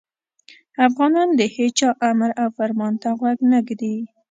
افغانان د هیچا امر او فرمان ته غوږ نه ږدي.